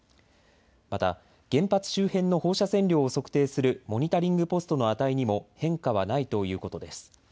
また原発周辺の放射線量を測定するモニタリングポストの値にも変化はないということです。